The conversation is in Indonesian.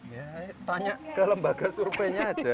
ya tanya ke lembaga surveinya aja